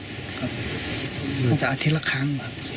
พรุ่งจากอาทิตย์ละครั้ง